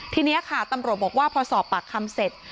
ทีนี้ค่ะตำรวจบอกว่าพอสอบปากคำเสร็จ